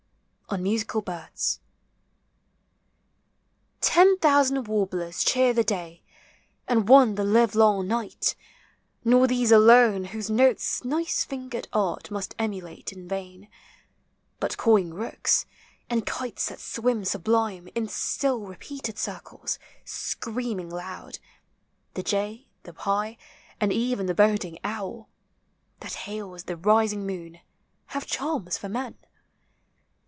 FROM "THE TASK," BOOR I. Ten thousand warblers cheer the day, and one The livelong night: nor these alone, whose ootefl Nice fingered Art must emulate in vain, But cawing rooks, and kites thai swim sublime 310 POEMS OF NATURE. In still repeated circles, screaming loud. The jay, the pie, and ev'n the boding owl, That hails the rising moon, have charms for men.